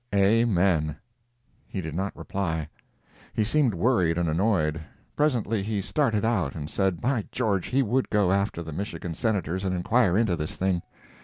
"Amen." He did not reply. He seemed worried and annoyed. Presently he started out, and said by George he would go after the Michigan Senators and inquire into this thing.